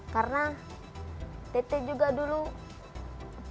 karena tete juga dulu apa kita sebut